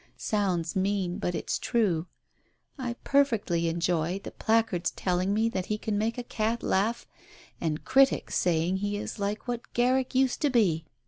Sounds mean, but it's true. I perfectly enjoy the placards telling me that he can make a cat laugh, and critics saying he is like what Garrick used to be.